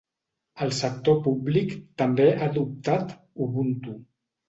El sector públic també ha adoptat Ubuntu.